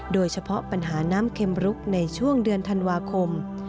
โดยเฉพาะปัญหาน้ำเข็มรุกในช่วงดุลยเดช